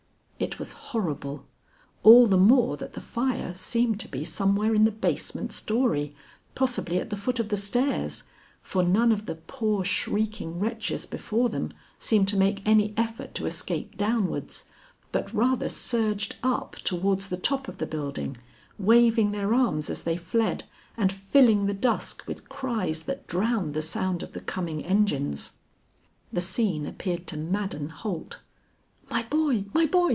It was horrible, all the more that the fire seem to be somewhere in the basement story, possibly at the foot of the stairs, for none of the poor shrieking wretches before them seemed to make any effort to escape downwards, but rather surged up towards the top of the building, waving their arms as they fled, and filling the dusk with cries that drowned the sound of the coming engines. The scene appeared to madden Holt. "My boy! my boy!